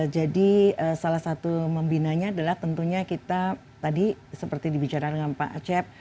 jadi salah satu membinanya adalah tentunya kita tadi seperti dibicarakan dengan pak acep